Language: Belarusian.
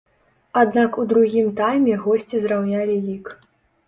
Аднак у другім тайме госці зраўнялі лік.